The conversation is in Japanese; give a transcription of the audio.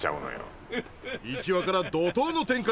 １話から怒とうの展開。